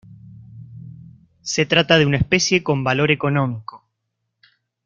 Se trata de una especie con valor económico.